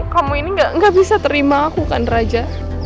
kamu ini gak bisa terima aku kan raja